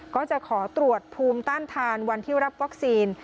ก็จะขอตรวจภูมิต้านทานวันที่รับวัคซีน